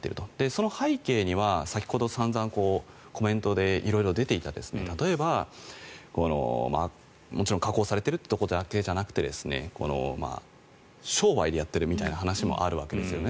その背景には先ほど散々コメントで色々出ていた例えば、もちろん加工されていることだけじゃなくて商売でやっているみたいな話もあるわけですね。